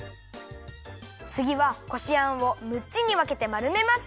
つぎはこしあんをむっつにわけてまるめます。